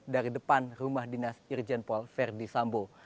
dari depan rumah dinas irjen paul verdi sambo